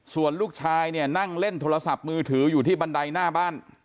ส่วนลูกชายเนี่ยนั่งเล่นโทรศัพท์มือถืออยู่ที่บันไดหน้าบ้าน